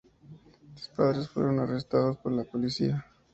Sus padres fueron arrestados por la policía.